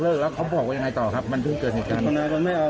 เราอยากขอโทษเพื่อนมั้ยเอ่อ